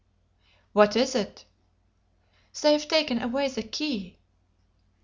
"What is it?" "They've taken away the key!"